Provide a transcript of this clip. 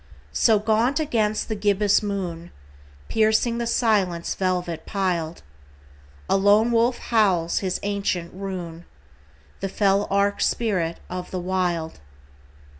So gaunt against the gibbous moon, Piercing the silence velvet piled, A lone wolf howls his ancient rune— The fell arch spirit of the Wild.